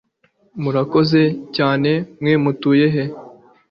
murakoze cyane. mwe mutuye he